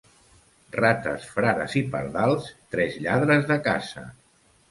Rates, frares i pardals, tres lladres de casa.